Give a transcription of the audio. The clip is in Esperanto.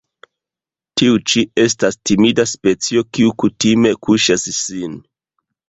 Tiu ĉi estas timida specio kiu kutime kaŝas sin.